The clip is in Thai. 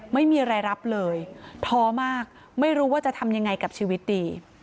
ไม่มีรายรับเลยท้อมากไม่รู้ว่าจะทำยังไงกับชีวิตดี